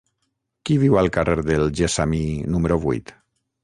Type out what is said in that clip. Qui viu al carrer del Gessamí número vuit?